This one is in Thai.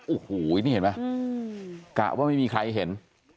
โอ้โหนี่เห็นไหมกะว่าไม่มีใครเห็น